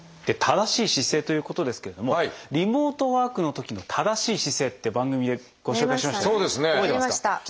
正しい姿勢ということですけれどもリモートワークのときの正しい姿勢って番組でご紹介しました。